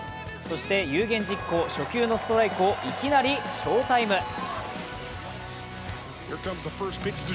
そして有言実行、初球のストライクをいきなり翔タイム。